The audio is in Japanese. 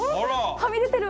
はみ出てる！